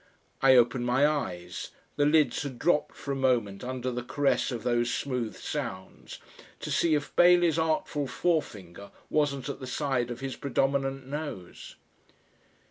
I opened my eyes the lids had dropped for a moment under the caress of those smooth sounds to see if Bailey's artful forefinger wasn't at the side of his predominant nose.